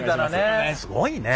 すごいね。